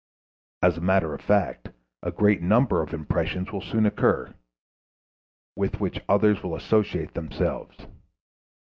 As a matter of fact, a great number of impressions will soon occur, with which others will associate themselves.